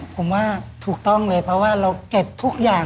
ผมว่าถูกต้องเลยเพราะว่าเราเก็บทุกอย่าง